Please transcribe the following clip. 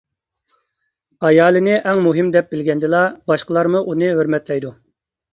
ئايالىنى ئەڭ مۇھىم دەپ بىلگەندىلا، باشقىلارمۇ ئۇنى ھۆرمەتلەيدۇ.